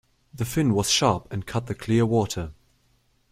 The fin was sharp and cut the clear water.